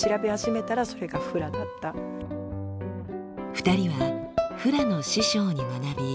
２人はフラの師匠に学び